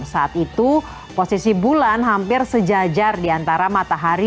saat itu posisi bulan hampir sejajar di antara matahari